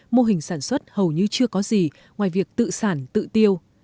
mô hình sản xuất hầu như chưa có gì ngoài việc tự sản tự tiêu